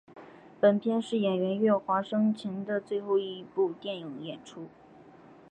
本片是演员岳华生前的最后一部电影演出。